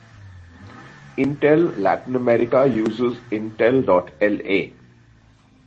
Intel Latin America uses intel.la.